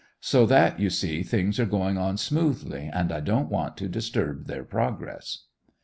So that, you see, things are going on smoothly, and I don't want to disturb their progress.